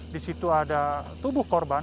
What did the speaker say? disitu ada tubuh korban